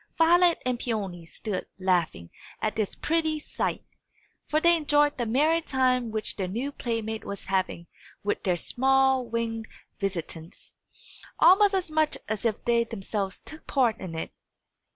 Violet and Peony stood laughing at this pretty sight: for they enjoyed the merry time which their new playmate was having with their small winged visitants, almost as much as if they themselves took part in it.